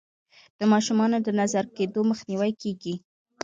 د ماشومانو د نظر کیدو مخنیوی کیږي.